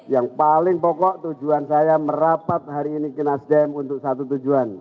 yang paling pokok tujuan saya merapat hari ini ke nasdem untuk satu tujuan